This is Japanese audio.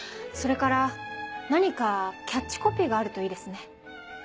それから何かキャッチコピーがあるといいですね。